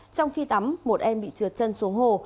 trong khi tắm một em bị trượt chân xuống hồ